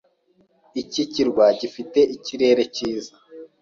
Iki kirwa gifite ikirere cyiza.